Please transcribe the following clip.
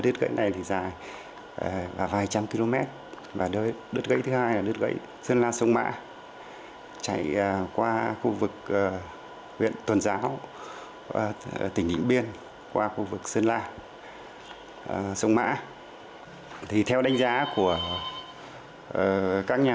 đứt gãy này dài vài trăm km đứt gãy thứ hai là đứt gãy sơn la sông mã chạy qua khu vực huyện tuần giáo tỉnh điện biên qua khu vực sơn la sông mã